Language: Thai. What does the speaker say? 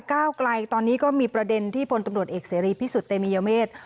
ก้าวไกลตอนนี้ก็มีประเด็นที่พลตำรวจเอกเสรีพิสุทธิเตมียเมษ